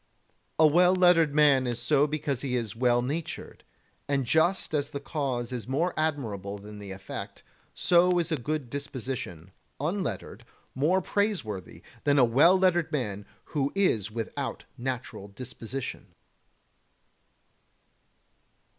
28. A well lettered man is so because he is well natured, and just as the cause is more admirable than the effect, so is a good disposition, unlettered, more praiseworthy than a well lettered man who is without natural disposition.